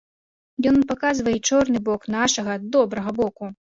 Ён паказвае і чорны бок нашага, добрага боку.